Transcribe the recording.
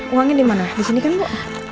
uangnya dimana disini kan bu